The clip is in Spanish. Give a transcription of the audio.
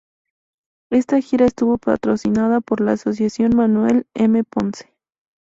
Esta gira estuvo patrocinada por la Asociación Manuel M. Ponce.